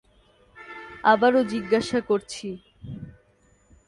আবারো জিজ্ঞাসা করছি।